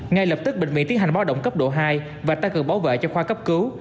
ngay lập tức bệnh viện tiến hành báo động cấp độ hai và tăng cường bảo vệ cho khoa cấp cứu